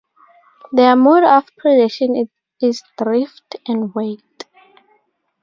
Their mode of predation is "drift and wait".